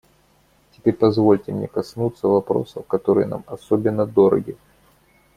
Теперь позвольте мне коснуться вопросов, которые нам особенно дороги.